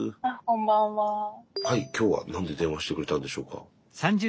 はいきょうは何で電話してくれたんでしょうか？